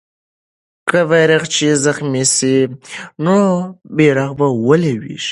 که بیرغچی زخمي سي، نو بیرغ به ولويږي.